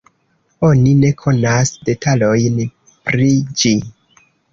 Oni ne konas detalojn pri ĝi.